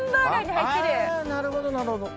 あなるほどなるほど。